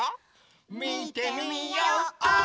みてみよう！